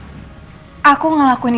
dan juga untuk membuatmu lebih baik